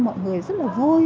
mọi người rất là vui